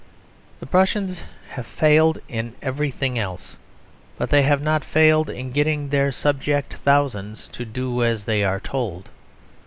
The Prussians have failed in everything else; but they have not failed in getting their subject thousands to do as they are told.